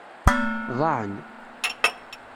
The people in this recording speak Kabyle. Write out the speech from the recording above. Ḍaɛen.